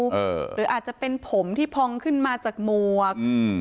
หรืออาจจะเป็นผมที่พองขึ้นมาจากหมวกอืม